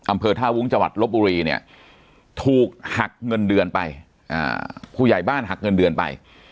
อำเภอท่าวุ้งจังหวัดลบบุรีเนี่ยถูกหักเงินเดือนไปผู้ใหญ่บ้านหักเงินเดือนไป